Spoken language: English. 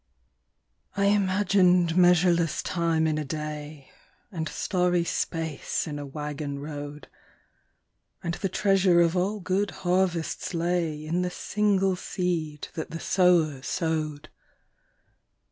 I imagined measureless time in a day, And starry space in a waggon road, And the treasure of all good harvests lay In the single seed that the sower sowed.